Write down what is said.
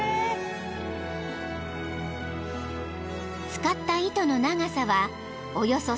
［使った糸の長さはおよそ１，５００ｍ］